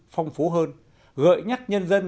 phong phú hơn gợi nhắc nhân dân